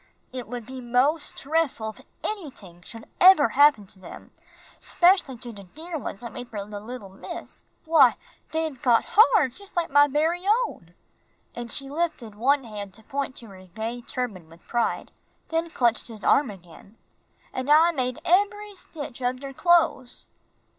"It would be mos' drefful if anyting should eber happen to dem, 'specially to der ones I made fer de little miss. Why, dey've got har jus' like my bery own." And she lifted one hand to point to her gay turban with pride, then clutched his arm again, "An' I made eb'ry stitch ob der cloes."